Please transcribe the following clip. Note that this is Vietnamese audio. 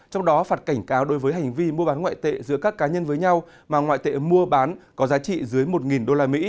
trong đó phạt cảnh cáo đối với hành vi mua bán ngoại tệ giữa các cá nhân với nhau mà ngoại tệ mua bán có giá trị dưới một usd